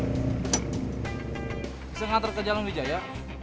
bisa ngantret ke jalan lijajah ya